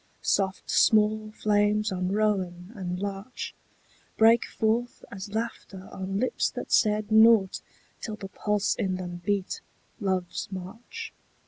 Soft small flames on rowan and larch Break forth as laughter on lips that said Nought till the pulse in them beat love's march.